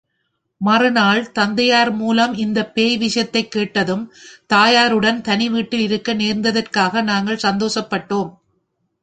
மறுநாள் தந்தையார் மூலம் இந்தப்பேய் விஷயத்தைக் கேட்டதும் தாயாருடன் தனி வீட்டில் இருக்க நேர்ந்ததற்காக நாங்கள் சந்தோஷப்பட்டோம்.